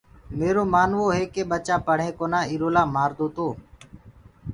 ميرو مآنوو هي ڪي ٻچآ پڙهين ڪونآ ايرو لآ مآدوئي تو